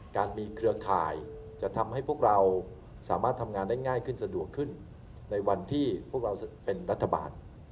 การมีเครือข่ายจะทำให้พวกเราสามารถทำงานได้ง่ายขึ้นสะดวกขึ้นในวันที่พวกเราเป็นรัฐบาล